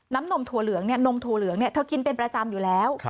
นมถั่วเหลืองนมถั่วเหลืองเธอกินเป็นประจำอยู่แล้ว